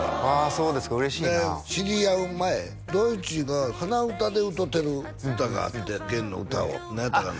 そうですか嬉しいな知り合う前大知が鼻歌で歌うてる歌があって源の歌を何やったかな？